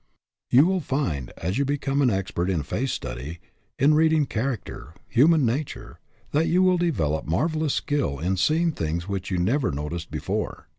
You will find, as you become an expert in face study, in reading character, human nature, that you will develop marvelous skill in see ing things which you never noticed before.